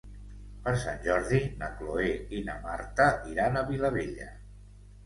Per Sant Jordi na Cloè i na Marta iran a Vilabella.